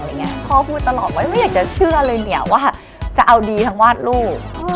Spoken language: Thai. พ่อพูดตลอดว่าไม่อยากจะเชื่อเลยเนี่ยว่าจะเอาดีทางวาดลูก